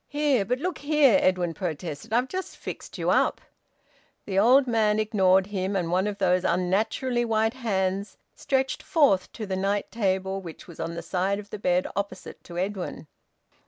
"Here! But look here!" Edwin protested. "I've just fixed you up " The old man ignored him, and one of those unnaturally white hands stretched forth to the night table, which was on the side of the bed opposite to Edwin.